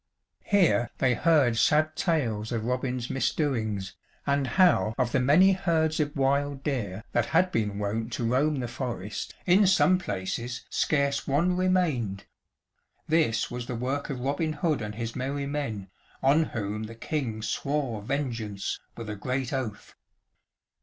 Here they heard sad tales of Robin's misdoings, and how of the many herds of wild deer that had been wont to roam the forest in some places scarce one remained. This was the work of Robin Hood and his merry men, on whom the king swore vengeance with a great oath.